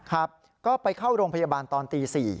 ครับก็ไปเข้าโรงพยาบาลตอนตี๔